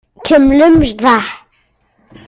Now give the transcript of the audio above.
Kemmlem ccḍeḥ.